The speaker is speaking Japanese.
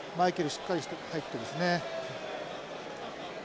しっかり入ってますね。